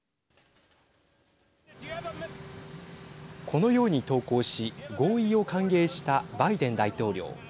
このように投稿し合意を歓迎したバイデン大統領。